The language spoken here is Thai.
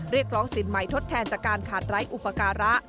เรียกร้องสินใหม่ทดแทนจากการขาดไร้อุปการะ